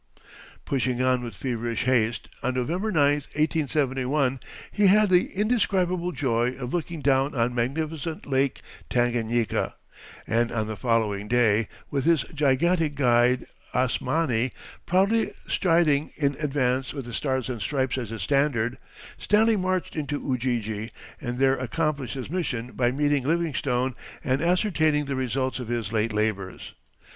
Pushing on with feverish haste, on November 9, 1871, he had the indescribable joy of looking down on magnificent Lake Tanganyika, and on the following day, with his gigantic guide, Asmani, proudly striding in advance with the Stars and Stripes as his standard, Stanley marched into Ujiji, and there accomplished his mission by meeting Livingstone and ascertaining the results of his late labors.